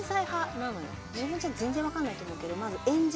自分じゃ全然分かんないと思うけどまず。